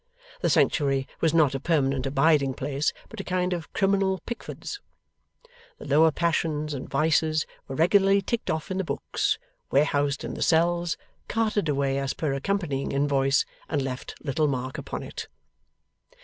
The sanctuary was not a permanent abiding place, but a kind of criminal Pickford's. The lower passions and vices were regularly ticked off in the books, warehoused in the cells, carted away as per accompanying invoice, and left little mark upon it.